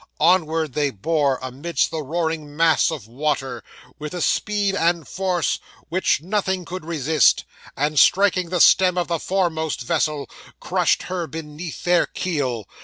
Onward they bore, amidst the roaring mass of water, with a speed and force which nothing could resist; and striking the stem of the foremost vessel, crushed her beneath their keel.